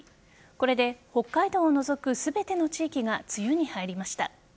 これで北海道を除く全ての地域が梅雨に入りました。